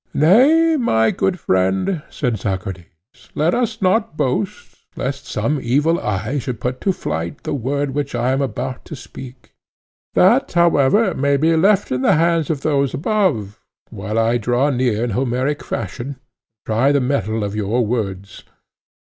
Nay, my good friend, said Socrates, let us not boast, lest some evil eye should put to flight the word which I am about to speak. That, however, may be left in the hands of those above, while I draw near in Homeric fashion, and try the mettle of your words.